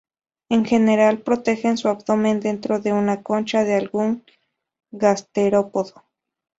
En general protegen su abdomen dentro de una concha de algún gasterópodo.